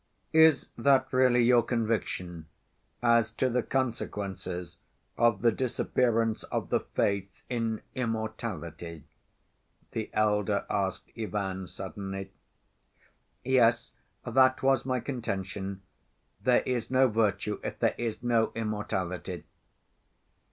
"Is that really your conviction as to the consequences of the disappearance of the faith in immortality?" the elder asked Ivan suddenly. "Yes. That was my contention. There is no virtue if there is no immortality."